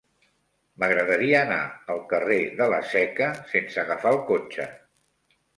M'agradaria anar al carrer de la Seca sense agafar el cotxe.